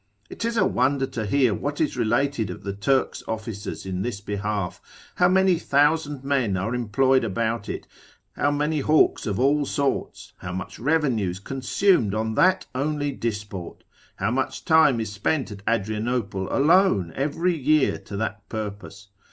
It is a wonder to hear what is related of the Turks' officers in this behalf, how many thousand men are employed about it, how many hawks of all sorts, how much revenues consumed on that only disport, how much time is spent at Adrianople alone every year to that purpose.